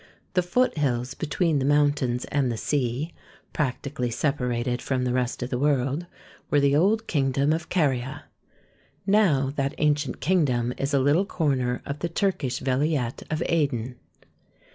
The foothills between the mountains and the sea, prac tically separated from the rest of the world, were the old kingdom of Caria ; now that ancient king dom is a little corner of the Turkish vilayet of Aidin.